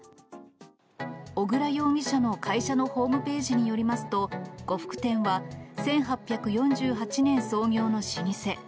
小倉容疑者の会社のホームページによりますと、呉服店は１８４８年創業の老舗。